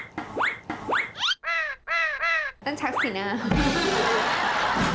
ฉันชักสีหน้า